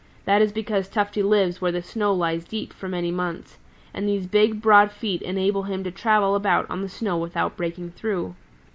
This is because Tufty lives where the snow lies deep for many months, and these big, broad feet enable him to travel about on the snow without breaking through.